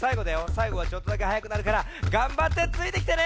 さいごはちょっとだけはやくなるからがんばってついてきてね！